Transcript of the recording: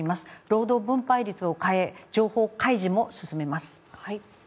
労働分配率を変え、情報開示も進めます。